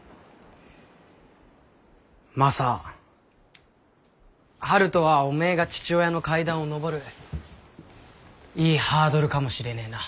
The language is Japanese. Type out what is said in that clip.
マサ陽斗はおめえが父親の階段を上るいいハードルかもしれねえな。